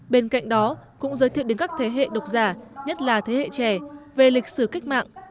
bên cạnh đó cũng giới thiệu đến các thế hệ độc giả nhất là thế hệ trẻ về lịch sử cách mạng